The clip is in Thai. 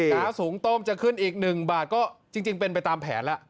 ขาสูงต้มจะขึ้นอีก๑บาทก็จริงเป็นไปตามแผนแล้ว